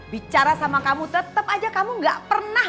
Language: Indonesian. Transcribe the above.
bicara sama kamu tetep aja kamu gak pernah